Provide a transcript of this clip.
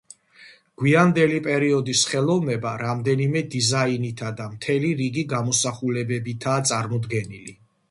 გვიანდელი პერიოდის ხელოვნება რამდენიმე დიზაინითა და მთელი რიგი გამოსახულებებითაა წარმოდგენილი.